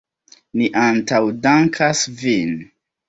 Ni antaŭdankas vin!